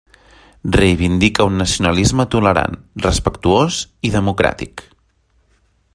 Reivindica un nacionalisme tolerant, respectuós i democràtic.